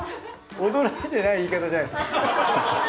驚いてない言い方じゃないですか。